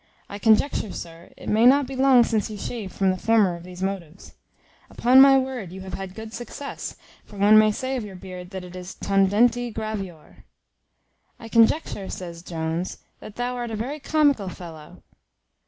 I conjecture, sir, it may not be long since you shaved from the former of these motives. Upon my word, you have had good success; for one may say of your beard, that it is tondenti gravior." "I conjecture," says Jones, "that thou art a very comical fellow."